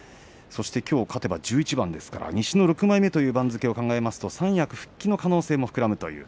そしてきょう勝てば１１番ですから西の６枚目という番付を考えると三役復帰の可能性も膨らみます。